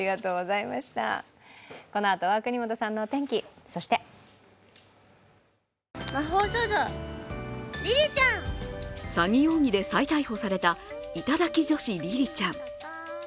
このあとは國本さんのお天気そして詐欺容疑で再逮捕された頂き女子・りりちゃん。